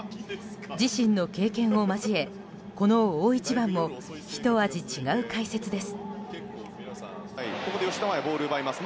自身の経験を交え、この大一番もひと味違う解説です。